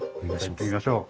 行ってみましょう。